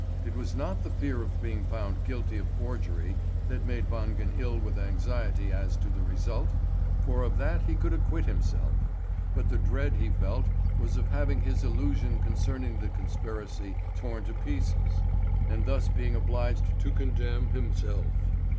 It was not the fear of being found guilty of forgery that made Wangen ill with anxiety as to the result, for of that he could acquit himself; but the dread he felt was of having his illusion concerning the conspiracy torn to pieces, and thus being obliged to condemn himself.